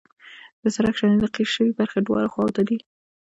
د سرک شانې د قیر شوې برخې دواړو خواو ته دي